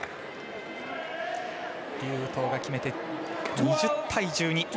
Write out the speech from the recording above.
劉禹とうが決めて、２０対１２。